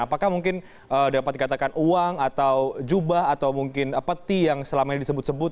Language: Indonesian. apakah mungkin dapat dikatakan uang atau jubah atau mungkin peti yang selama ini disebut sebut